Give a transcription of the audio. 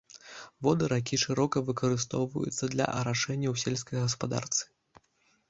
Воды ракі шырока выкарыстоўваюцца для арашэння ў сельскай гаспадарцы.